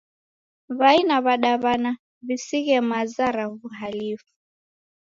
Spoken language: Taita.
W'ai na w'adaw'ana w'isighe maza ra w'uhalifu.